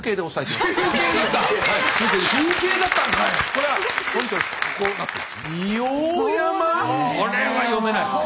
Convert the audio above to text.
これは読めないですね。